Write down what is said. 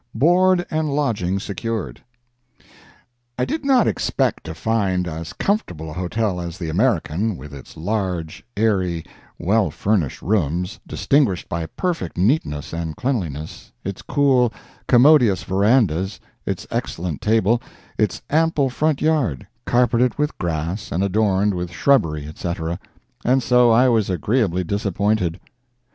BOARD AND LODGING SECURED I did not expect to find as comfortable a hotel as the American, with its large, airy, well furnished rooms, distinguished by perfect neatness and cleanliness, its cool, commodious verandas, its excellent table, its ample front yard, carpeted with grass and adorned with shrubbery, etcetera—and so I was agreeably disappointed.